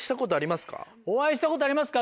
お会いしたことありますか？